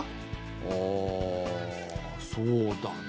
ああそうだな。